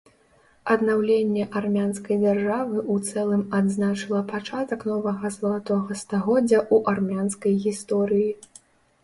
Аднаўленне армянскай дзяржавы ў цэлым адзначыла пачатак новага залатога стагоддзя ў армянскай гісторыі.